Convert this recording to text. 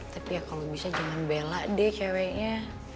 tapi ya kalau bisa jangan bela deh ceweknya